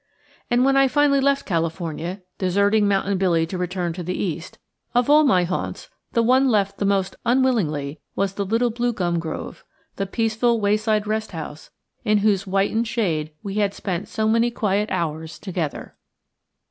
And when I finally left California, deserting Mountain Billy to return to the East, of all my haunts the one left the most unwillingly was the little blue gum grove, the peaceful wayside rest house, in whose whitened shade we had spent so many quiet hours together.